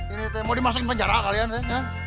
ini mau dimasukin penjara kalian ya